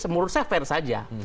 menurut saya fair saja